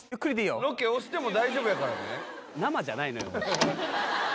ロケ押しても大丈夫やからね